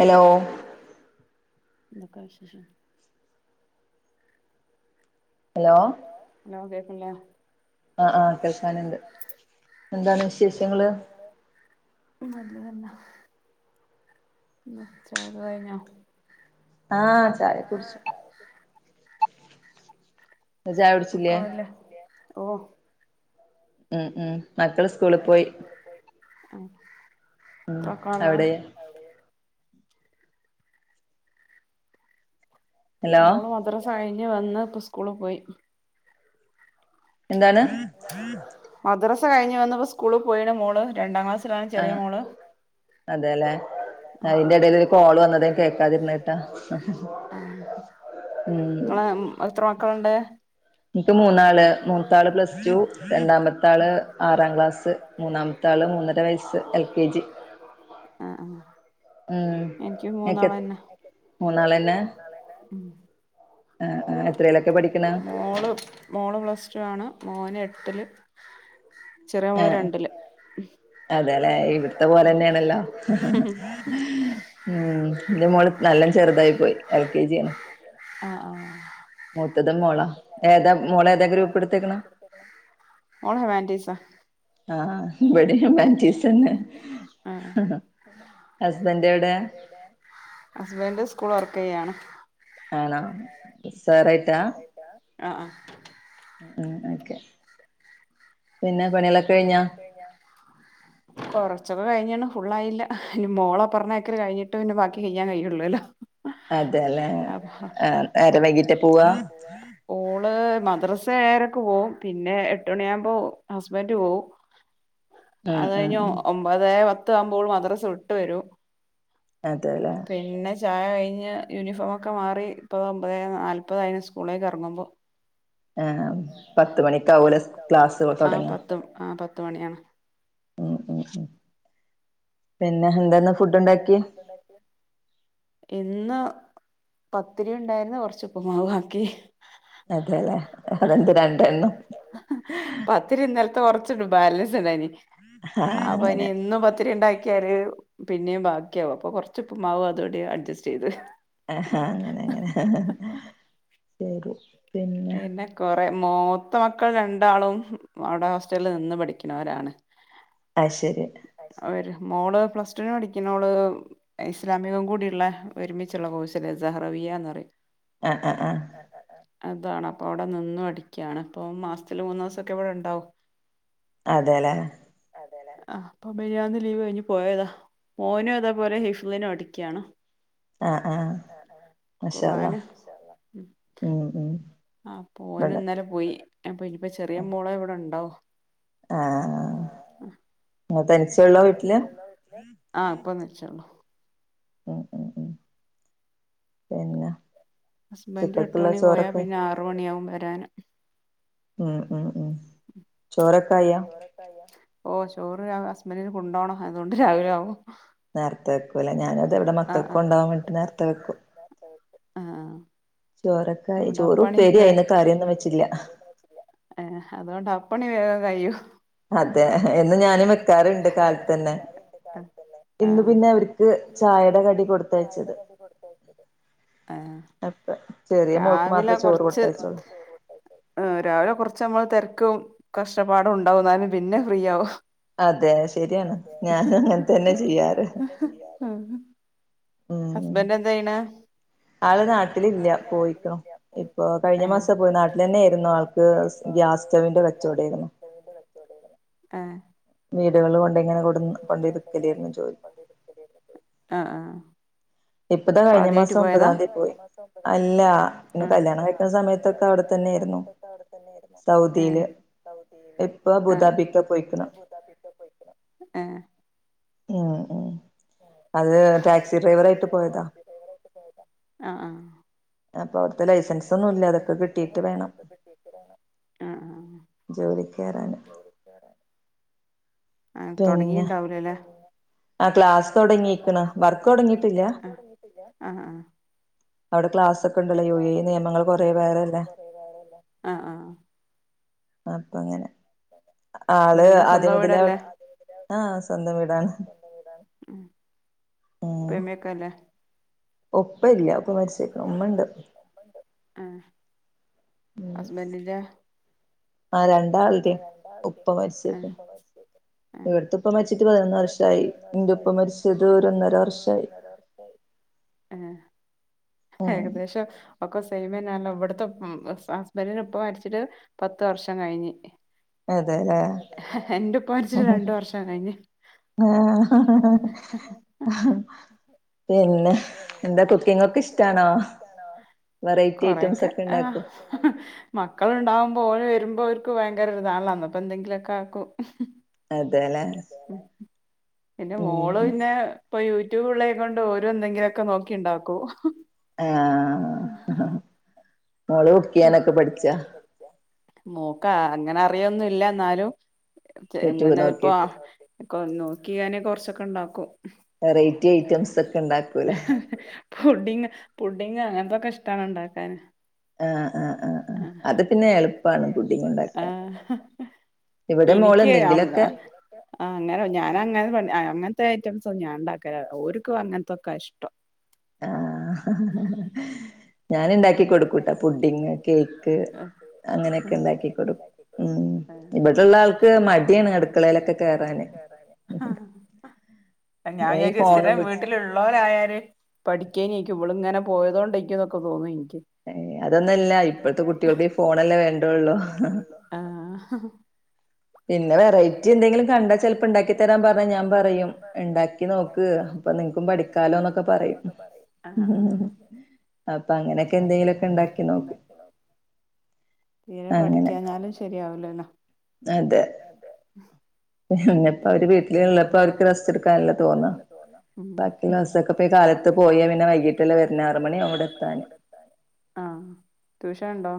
Hello ന്നക്ക്വ വിശേഷം hello hello കേക്കല്ല്യ ആ ആഹ കേൾക്കാനുണ്ട് എന്താണ് വിശേഷങ്ങള് മ് അത് തന്ന മറ്റെത് കഴിഞ്ഞോ ആഹ ചായ കുടിച്ചു മക്കളല്ലേ ത്തിയ ഓ മ് മ് മക്കള് സ്കൂളി പോയി ആ ഉം അവിടെ മോള് മദ്രാസ അഴിഞ്ഞ് വന്ന് ഇപ്പ സ്കുള് പോയി എന്താണ് മദ്രസ കഴിഞ്ഞ് വന്നപ്പോ സ്കൂളി പോയിന് മോള് രണ്ടാം ക്ലാസ്സിലാണ് ചെറിയ മോള് അതെല്ലേ അതിന്റെ ഇടയില് ഒര് കോള് വന്നത് കേക്കാതിരുന്നട്ടാ ഉം അ എത്ര മക്കളുണ്ട് എനിക്ക് മൂന്നാള് മൂത്താള് പ്ലസ് ടു രണ്ടാമത്താള് ആറാം ക്ലാസ്സ് മൂന്നാമത്തെ ആള് മൂന്നര വയസ്സ് എൽ കെ ജി ആഹ്... എനിക്ക് മൂന്നാളാന്നേ മൂന്നാളന്നെ നളന്നേ ഉം മോള് മോള് പ്ലസ്ടൂ ആണ് മോന് എട്ടില് ന്റമ്മോള് രണ്ടില് അതെല്ലെ ഇവിടത്തെ പോലെ ന്നെയണല്ലോ ഉം എന്റെ മോള് നല്ല ചെറുതായി പോയി എൽ കെ ജി ആണ് ആഹ് ആഹ് മൂത്തത് മോള ഏതാ മോളേ ഏതക്കെ ഗ്രൂപ്പെടുത്തേക്കണ മോള് ഹ്യുമനിറ്റീസ ആഹ് ഇവിടെം ഹ്യുമനീറ്റീസന്നേ ഹസ്ബന്റ് എവിടെ ഹസ്ബൻഡ് സ്കൂളി വർക്കെ യ്യാണ് ആണോ സാറയീട്ട ആഹ് ആഹ് ഉം ഓക്കെ പിന്നെ പണികളൊക്കെ കഴിഞ്ഞോ? [inaudible] കൊറച്ചൊക്കെ കഴിഞ്ഞാണ് ഫുള്ള് ആയില്ല ഇനി മോളെ പറഞ്ഞയക്കല് കഴിഞ്ഞിട്ട് പിന്നെ ബാക്കി കഴിഞ്ഞാൻ കഴുള്ളൂല്ലോ അതെല്ലേ ആ നേരെ വൈകീട്ടേ പോവാ? ഓള് മദ്രസ ഏരക്കെ പോവും പിന്നെ എട്ടുമണിയാകുമ്പോ ഹസ്ബൻഡ് പോവും അത കഴിഞ്ഞ ഒ ഒമ്പതേ പത്ത് ആവുമ്പോൾ മദ്രസ വിട്ട് വരും പിന്നെ ചായ കഴിഞ്ഞ് യൂണിഫോമൊക്കെ മാറി ഇപ്പൊ ഒമ്പതേ നാൽപ്പതായന് സ്കൂളേക്ക് ഇറങ്ങുമ്പോ ആഹ് പത്ത് മണിക്കാവൂലെ സ് ക്ലാസ് തൊടങ്ങാൻ ത്തും ആഹ് പത്ത് മണിയാണ് ഉം ഉം ഉം പിന്നെ എന്താന്ന് ഫുഡ് ഉണ്ടാക്കിയേ ഇന്ന് പത്തിരി ഉണ്ടായിരുന്ന് കൊറച്ച ഉപ്പമാ വാക്കി അതെല്ലേ അതെന്ത് രണ്ടെണ്ണം ഒത്തിരി ന്നലത്തെ കൊറച്ചണ്ട് ബാലൻസ് ഉണ്ടായനി അപ്പൊ അനി എന്നും പത്തിരി ഉണ്ടാക്കിയാറ് പിന്നെയും ബാക്കിയാവും അപ്പൊ കൊറച്ച ഉപ്പമാവും അതൂടി അഡ്ജസ്റ്റ് ചെയ്ത് ഏഹ അങ്ങനെ അങ്ങനെ [unintelligible] ശരി പിന്നെ കൊറെ മൂത്ത മക്കൾ രണ്ടാളും അവിടെ ഹോസ്റ്റലിൽ നിന്ന് പഠിക്കുന്നവരാണ് ആഹ് ശരി വര് മോള് പ്ലസ് ടൂന് പഠിക്കുന്നോള് ഇസ്ലാമികം കൂടിയുള്ള ഒരുമിച്ചുള്ള കോഴ്ശല്ലേ ജഹ്റവിയ എന്ന് പറയും ആഹ് ആ ആഹ് അതാണ് അപ്പൾ അവിടെ നിന്നും ടിക്കുകയാണ് അപ്പം മാസത്തിൽ മൂന്ന് സൊക്കെ ഇവിടെ ഉണ്ടാവും അതെല്ലേ അതല്ലേ ആഹ് അപ്പൊ മെര്യാന്ന് ലീവ് കഴിഞ്ഞ് പോയതാ മോനും ഇതേപോലെ ഹിഫുദിനും അടിക്കുക്കാണ് കുറവാന ഉം ഉം ആ പോന് ഇന്നലെ പോയി അപ്പൊ ഇനിപ്പോ ചെറിയ മോളോ ഇവിടെ ഉണ്ടാവൂ ആഹ് നിതനിച് ആഹ് ഇപ്പൊന്ന് വെച്ചോള്ളൂ ഉം ഉം ഉം പിന്നെ ഹസ്ബന്റ് എട്ട് മണി പോയാൽ പിന്നെ ആറ് മണിയാവും വരാന് ഉം ഉം ഉം റ്ക്കായ ഓഹ് ചോറ് ഞാ ഹസ്ബന്റിന് കുണ്ടോണം അതോണ്ട് രാവിലെ ആവും നേര്ത്തെ വെക്കുലേ ഞാനും അതെവിടെ മക്കൾക്ക് കൊണ്ടാേകാൻ വേണ്ടിട്ട് നേര്ത്തെ വെക്കും ചോറൊക്കായ് ചോറും ഉപ്പേരി ആയ്ണ് കറിയൊന്നും വെച്ചില്ലാ ഏഹ് അതോണ്ട് അപ്പണി വേഗം കയ്യും അതെ എന്നും ഞാനും മെക്കാറ്ണ്ട് കാല്ത്തെന്നെ ഇന്ന് പിന്നെ അവര്ക് ഇന്ന് പിന്നെ അവര്ക്ക് ചായെടെ കടി കൊട്ത്തയച്ചത് ഏഹ് അപ്പ ചെറിയ മോൾക്ക് മാത്രേ ചോറ് കൊട്ത്തയച്ചാെള്ളൂ ആഹ് രാവ്‌ലെ കൊർച്ച് നമ്മളെ തെരക്കും കഷ്ടപ്പാടും ഉണ്ടാവും ന്നാലും പിന്നെ ഫ്രീയാവും അതെ ശര്യാണ് ഞാനും അങ്ങൻ തന്നെ ചെയ്യാറ് യ്യാറ് ആഹ് ഹസ്ബന്റെന്താ ചെയ്യ്ണേ ആള് നാട്ട്ലില്ല്യാ പോയ്ക്ക്ണു ഇപ്പൊ കഴിഞ്ഞ മാസാ പോയെ നാട്ടിലെന്നേയ്‌ര്ന്നു ആൾ ക്ക് ഗ്യാസ് സ്റ്റൗവ്വ്ന്റെ കച്ചോടേര്ന്നു സ്റ്റൗവ്വ്ന്റെ കച്ചോടേര്ന്നു ഏഹ് വീട്കൾല് കൊണ്ടാേയ് ഇങ്ങനെ കൊട്ന്ന് കൊണ്ടാേയി വിക്കെലേര്ന്നു ജോലി ആഹ് ആഹ് ഇപ്പതാ കഴിഞ്ഞ മാസം ഒമ്പതാന്ത്യാ പോയ് അല്ല ഇന്നെ കല്യാണം കഴിക്ക്ന്ന സമയത്തൊക്കെ അവ്ടെ തന്നേര്ന്നു അവിടെ തന്നേര്ന്നു സൗദീല് ഇപ്പൊ അബൂതാബിക്ക പാെയ്ക്ക്ണെ ഏഹ് ഉം ഉം അത് ടാക്സി ഡ്രൈവറായ്ട്ട് യതാ അപ്പൊ അവ്ട്ത്തെ ലൈസൻസ് അവ്ട്ത്തെ ലൈസൻസൊന്നുല്ല അതൊക്കെ കിട്ടീട്ട് മാണം ജോലി കേറാന് ആഹ് താെടങ്ങീണ്ടാവൂലലേ ക്ലാസ് തൊടങ്ങീക്ക്ണ് വർക്ക് തൊടങ്ങീട്ട്ല്ലാ ആഹ് ആഹ് അവ്ടെ ക്ലാസാെക്കെണ്ടല്ലോ യു എ ഇ നിയമങ്ങള് കൊറേ വേറെല്ലേ ആഹ് ആഹ് ആഹ് ആപ്പങ്ങനെ ആള് ആദ്യം മുതലേ അവ് ആഹ് സ്വന്തം വീടാണ് വീടാണ് ഉം പിന്നേകല്ലേ ഉപ്പ ഇല്ല ഉപ്പ മര്ച്ചേക്കാ ഉമ്മണ്ട് ആഹ് ഹസ്ബന്റിന്റേ ആഹ് രണ്ടാൾതിം ഉപ്പ മര്ച്ച്ക്ക് ഇവ്ട്ത്തെ ഉപ്പ മര്ച്ച്ട്ട് പതിനൊന്ന് വർഷായി ഇന്റുപ്പ മര്ച്ച്ത് ഒര് ഒന്നര വർഷായി ഏഹ് ഏകദേശം ഒക്കെ സെയ്മെന്നാണല്ലോ ഇവ്ട്ത്തെ ഹസ്ബന്റിന്റെ ഉപ്പ മര്ച്ച്ട്ട് പത്ത് വർഷം കയ്ഞ്ഞ് എതേലേ പിന്നെ എന്താ കുക്കിങ്ങാെക്കെ ഇഷ്ടാണോ വെറൈറ്റി ഐറ്റംസാെക്കെണ്ടാക്കാേ മക്കള്ണ്ടാവുമ്പോ ഓല് വെരുമ്പോ ഓൽക്ക് ഭയങ്കരൊര് നാള ന്നപ്പോ എന്തെങ്കിലാെക്കെ ആക്കും അതേലെ പിന്നെ മോള് പിന്നേ പ്പൊ യൂട്യൂബ് ഉള്ളെകൊണ്ട് ഓരും എന്തെങ്കിലാെക്കെ നോക്കിണ്ടാക്കു ആഹ് മോള് കുക്കെയ്യാനൊക്കെ പഠ്ച്ചാ മോക്കാ അങ്ങനെ അറിയൊന്നും ഇല്ല ന്നാലും ഇങ്ങനെ ഇപ്പാെ കൊ നോക്കിയാണെ കൊറച്ചൊക്കെണ്ടാക്കും വെറൈറ്റി ഐറ്റംസൊക്കെണ്ടാക്കൂലേ പുഡിംങ്ങ് പുഡിംങ്ങ് അങ്ങൻത്തെക്കെ ഇഷ്ടാണ് ണ്ടാക്കാന് ആഹ് അത് പിന്നെ എളുപ്പാണ് ആഹ് - ഇനിക്കേ ആമ്താ- ആഹ് അങ്ങനെ ഞാന അങ്ങനെ അങ്ങൻത്തെ ഐറ്റംസൊന്നും ഞാനൊണ്ടാക്ക്ല ഓര്ക്ക് അങ്ങൻത്തൊക്ക ഇഷ്ടം- ആഹ് ഞാന് ഇണ്ടാക്ക് ക്കി കൊടുക്കൂട്ട പുഡിങ് കേക്ക് അങ്ങനെയൊക്കെ ഇണ്ടാക്കികൊടുക്ക് ഉം- ഇവിടുള്ളാൾക്ക് മടിയാണ് അടുക്കളേലൊക്കെ കേറാന്- ഞാൻ വിചാരിക്ക സ്ഥിരം വീട്ടിലുൾ ള്ളവരായല് പഠിക്കരിക്കും ഇവള് ഇങ്ങനെ പോയതുകൊണ്ടായിക്കും എന്നൊക്കെ തോന്നുന്നു എനിക്ക്- ഏയ് അതൊന്നല്ല ഇപ്പഴത്തെ കുട്ടികൾക്കീ ഫോണെല്ലേ വേണ്ടുള്ളൂ- ആഹ് ആഹ് - പിന്നെ വെറൈറ്റി എന്തെങ്കിലും കണ്ടാ ചെലപ്പോ ഉണ്ടാക്കി തരാൻ പറഞ്ഞാ ഞാൻ പറയും ഉണ്ടാക്കി നോക്ക് - അപ്പൊ നിക്കും പഠിക്കാലോന്നൊക്കെ പറയും ഉം- തീരെ പഠിക്കാഞാലും- ശരിയാവ് ല്ലല്ലോ- അതെ- പിന്നപ്പോ അവര് വീട്ടിലള്ളപ്പോ അവർക്ക് റസ്റ്റ് എടുക്കാാനല്ലേ തോന്നാ- ബാക്കിയുള്ള ദിവസൊക്കെ പോയി കാലത്ത് പോയി ന്നെ വൈകീട്ടല്ലെ വരുന്നെ ആറ് മണിയാവും വിടെത്താന്- ആഹ് ട്യൂഷനൊണ്ടോ?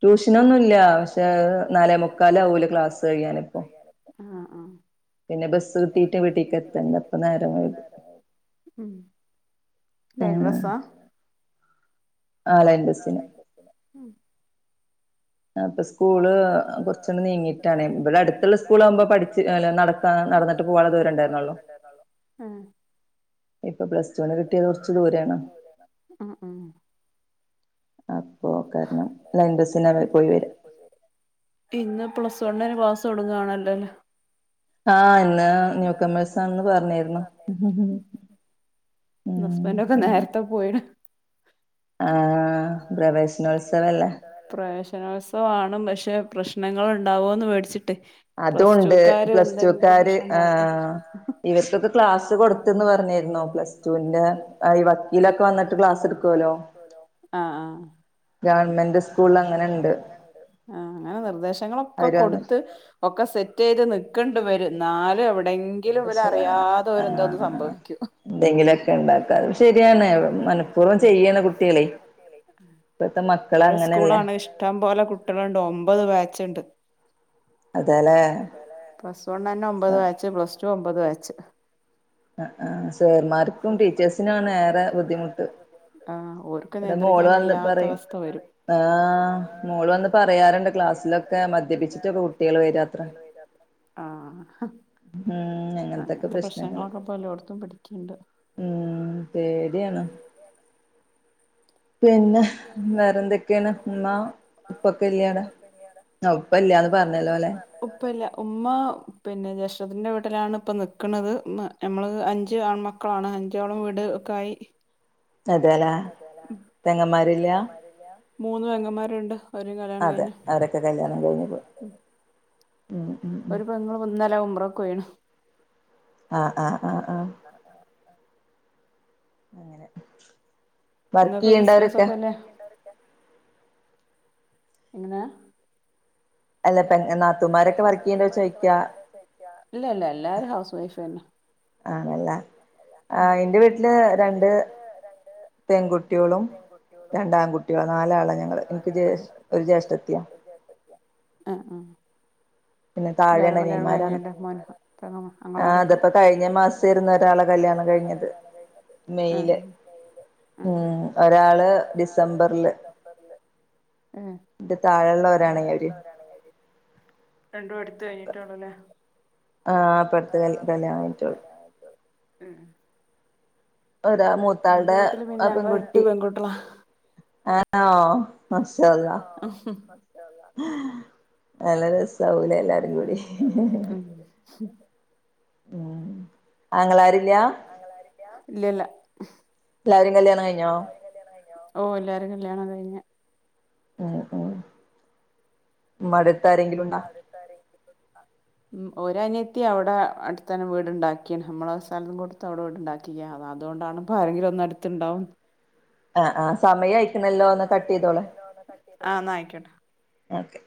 ട്യൂഷനൊന്നുല്ല പക്ഷെ നാലേ മുക്കാലാവൂലെ ക്ലാസ്സ് കഴിയാനിപ്പോ- ആഹ് ആഹ് - പിന്നെ ബസ്- കിട്ടിട്ട് വീട്ടിലക്ക് എത്തണ്ടേ അപ്പനേരയില്ലേ അങനെ - ആതേ ബസ്സിന് - ഉം - അപ്പൊ സ്കൂള് കുറച്ചുങ്ങ്ട് നീങ്ങീയിട്ടാണെ ഇവിടെ അടുത്തുള്ള സ്കൂളാകുമ്പോ പഠിച്ച്അല്ല നട നടന്നിട്ട് പോകാനുള്ള ദൂരെഉണ്ടായിരുന്നൊള്ളു- ആഹ് - ഇപ്പൊ പ്ലസ് ടുവിന് കിട്ടിയത് കുറച്ച് ദൂരെയാണ് - ആഹ് ആഹ് - അപ്പൊ കാരണം ലൈൻ ബസ്നാന്നേ പോയി വരാ- ഇന്ന് പ്ലസ് വണ്ണിന് ക്ലാസ് തൊടങ്ങുകാണല്ലോ ല്ലേ? ആഹ് ഇന്ന് ന്യൂക്കമേഴ്സാന്ന് പറഞ്ഞിര്ന്നു- ഹസ്ബന്റൊക്കെ നേരത്തെ പോയിണ്- ആഹ് പ്രവേശനോത്സവല്ലേ- പ്രവേശനോത്സവമാണ് പക്ഷെ പ്രശ്നങ്ങൾ ഉണ്ടാവുമന്ന് മേടിച്ചിട്ട് അത്കൊണ്ട് പ്ലസ് ടുക്കാര് ആഹ്- ഇവർക്കൊക്കെ ക്ലാസ് കൊടുത്ത്ന്ന് പറഞ്ഞിര്ന്നു പ്ലസ് ടുവിന്റെ ആഹ് ഈ വക്കീലൊക്കെ വന്ന്ട്ട്- നിക്ക് വന്നിട്ട് ക്ലാസ് എടുത്ത് തര്വോ ആഹ് ആഹ് - ഞൻ ഗവൺമെന്റ് സ്കൂളി അങ്ങനെ ഇണ്ട് ആഹ് നിർദ്ദേശങ്ങളൊക്കെ കൊടുത്ത് ഒക്കെ സെറ്റ് ചെയ്ത് നക്കണ്ട വരും നാലും എവിടെ എങ്കിലും ഇവര് അറിയാതെ ഒരേ എന്തോന്ന് സംഭവിക്കും. എന്തെങ്കിലുംഒക്കെ ഉണ്ടാക്കാം ആഹ് ശരിയാണ് മനഃപൂർവം ചെയ്യണ കുട്ടികളെ വേറെ സ്കൂളാണ് ഇഷ്ടം പോലെ കുട്ടികളുണ്ട് ഒമ്പത് ബാച്ചുണ്ട്. അതെല പ്ലസ് വണ് തന്നെ ഒമ്പത് വച്ച് പ്ലസ് ടു ഒമ്പത് വച്ച്. ആ സേർമാർക്കും ടീച്ചേഴ്സിനും ആണ് ഏറെ ബുദ്ധിമുട്ട് ആഹ് ഓർ എവിടെ മോള് വന്ന പറയും. ആ് മോൾ വന്ന് പറയാറുണ്ട് ക്ലാസ്സിലൊക്കെ മദ്യപിച്ചിട്ടൊക്കെ കുട്ടികൾ വരാത്ര ആഹ് മ്മ് അങ്ങനത്തെ പ്രശ്നങ്ങളൊക്കെപ്പോ മ്മ് പേടിയാണ് പിന്നെ വേറെന്തൊക്കെയാണ് ഉമ്മ ഉപ്പൊക്കെല്ലേ ടെ അ ഉപ്പ ഇല്ലാന്ന് പറഞ്ഞല്ലോലെ ഉപ്പ ഇല്ല ഉമ്മ പിന്നെ ജെസ്റ്റത്തിന്റെ വീട്ടിലാണ് ഇപ്പ നക്കണുന്നത് നമ്മൾ അഞ്ച് ആൺ മക്കളാണ് അഞ്ചോളും വീട ഒക്കെ ആയി അതേല്ലേ പെങ്ങമാരില്ല മൂന്ന് പെങ്ങമാരുണ്ട് അതെ അവരൊക്കെ കല്യാണം കഴിഞ്ഞഞ് പോയി ഉ ഒരു പെങ്ങളും ഇന്നലെ ഉംറക് പോയിന് ആഹ് ആഹ ആഹ ആഹ അങ്ങനെ വർക്ക് ചെയ്യേണ്ടവരൊക്കെ എങ്ങനെ അല്ല പെ നാത്തുമാരൊക്കെ വർക്ക് ചെയ്യണ്ടോ ചോദിക്കാ ഇല്ല ഇല്ല എല്ലാരും ഹൗസ് വൈഫ് ന്നെ ആണല്ലേ എന്റെ വീട്ടില് രണ്ട് പെൺകുട്ടികളും രണ്ടാംകുട്ടികളും നാലാളാണ് ഞങ്ങൾ എനിക്ക് ജേഷ ഒരു ജ്യേഷ്ഠ ത്തിയാ ആ ആ എല്ലാരും കല്യാണം കഴിഞ്ഞല്ലേ മോൻ അങ്ങളാരൊക്കെ അ അത്പ്പോ കഴിഞ്ഞ മാസരുന്ന ഒരാളെ കല്യാണം കഴിഞ്ഞത് മെയില് ഉം ഒരാള് ഡിസംബറില്ന്റെ താഴെള്ള തായെള്ള ഒരാളെ [unintelligible] രണ്ടും എടുത്ത കഴിഞ്ഞിട്ടള്ളല്ലെ ആ ആപട്ത്ത് കല്യാണം കഴിന്നിട്ടുള്ളു ഒരാ മൂത്താളുടെ ആ പെൺകുട്ടി ആണെമാഷാ അല്ലഹ മ് ഹ് മാഷാ അൽഹാ നല്ല രസാവുലെഎല്ലാരും കൂടി ഉം ഉം അങ്ങളാരില്ലേ അങ്ങളായിരില്ല ഇല്ലല്ല എല്ലാരിം കല്യാണം കഴിഞ്ഞോ കല്യാണം കായിന്നോ ഓ എല്ലാരും കല്യാണം കഴിഞ്ഞ് ഉം ഉം ഇമ്മന്റെത്ത് ആരെങ്കിലും ഉണ്ടോ ത്ത് ആരെങ്കിലും ഉണ്ടോ മ് ഒരുഅയത്തി അവിടെ അടുത്താനെ വീടുണ്ടാക്കിണ് നമ്മള സ്ഥലം കൊടുത്ത് അവിടെ വീടുണ്ടാക്കി യാ അതുകൊണ്ടാണ് ഇപ്പ ആരെങ്കിലും ഒന് അടുത്ത്ണ്ടാവും ആ ആസമയയി അ അ സമയയികുണല്ലോ എന്നാ കട്ട് ചെയ്യാ അ എന്നാ ആയിക്കോട്ടെ ഓക്കെ